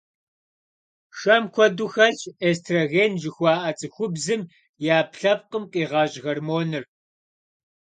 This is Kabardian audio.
Шэм куэду хэлъщ эстроген жыхуаӀэ, цӀыхубзым и Ӏэпкълъэпкъым къигъэщӀ гормоныр.